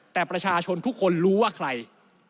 แต่ประชาชนทุกคนรู้ว่าใคร